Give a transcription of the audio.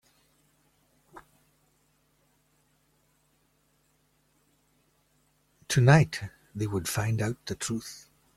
Tonight, they would find out the truth.